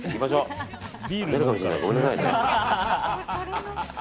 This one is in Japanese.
はねるかもしれないごめんなさいね。